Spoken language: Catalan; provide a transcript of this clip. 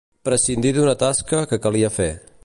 Prescindir d'una tasca que calia fer.